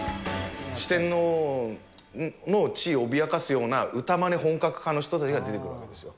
四天王の地位を脅かすような、歌まね本格化の人たちが出てくるわけですよ。